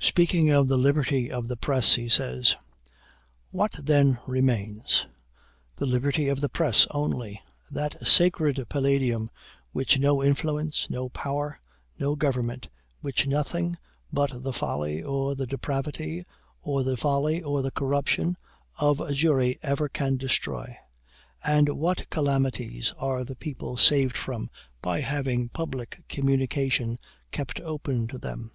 Speaking of the liberty of the press, he says "What, then, remains? The liberty of the press only; that sacred Palladium, which no influence, no power, no government, which nothing but the folly or the depravity, or the folly or the corruption, of a jury ever can destroy. And what calamities are the people saved from by having public communication kept open to them!